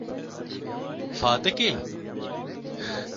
Fatikê